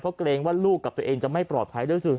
เพราะเกรงว่าลูกของตัวเองจะไม่ปลอดภัย